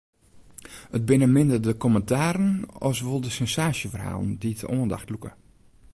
It binne minder de kommentaren as wol de sensaasjeferhalen dy't de oandacht lûke.